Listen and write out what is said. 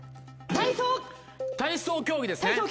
体操競技ですね